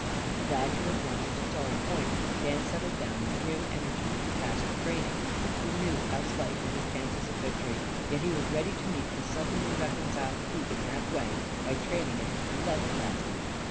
Glad to have won his sorry point, Dan settled down with grim energy to the task of training. He knew how slight were his chances of victory. Yet he was ready to meet the suddenly reconciled Keegan halfway, by training at his level best.